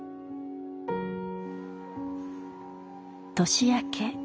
年明け。